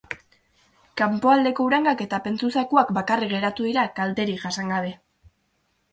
Kanpoaldeko urangak eta pentsu zakuak bakarrik geratu dira kalterik jasan gabe.